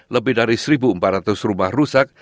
lebih dari satu empat ratus rumah rusak